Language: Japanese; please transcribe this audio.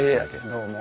どうも。